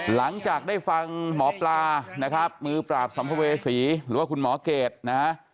หลังจากได้ฟังหมอปลานะครับมือปราบสัมภเวษีหรือว่าคุณหมอเกรดนะฮะ